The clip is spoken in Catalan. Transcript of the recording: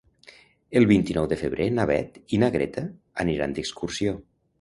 El vint-i-nou de febrer na Beth i na Greta aniran d'excursió.